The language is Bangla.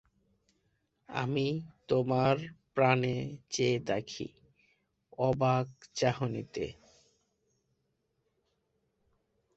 উচ্চারণ প্রকাশ করে।